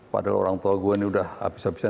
padahal orang tua gue ini udah habis habisan